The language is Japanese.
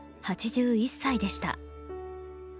８１歳でした。